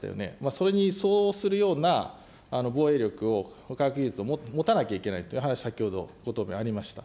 それに相応するような防衛力を、科学技術を持たなきゃいけないと、先ほどご答弁ありました。